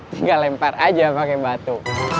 tinggal lempar aja pakai batu